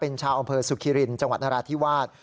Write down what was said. เป็นชาวอำเภอสุขิรินจังหวัดนราธิวาส